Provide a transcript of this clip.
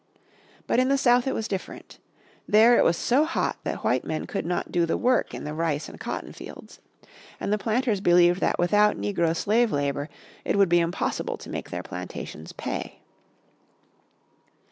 But in the South it was different. There it was so hot that white men could not do the work in the rice and cotton fields. And the planters believed that without Negro slave labour it would be impossible to make their plantations pay.